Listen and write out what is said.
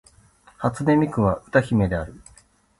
初音ミクは歌姫である